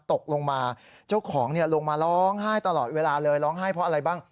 ตกลงมาเจ้าของลงมาร้องไห้ตลอดเวลาเลยร้องไห้เพราะอะไรบ้าง